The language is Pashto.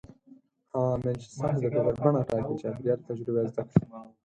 هغه عوامل چې ستاسې د فکر بڼه ټاکي: چاپېريال، تجربې او زده کړې.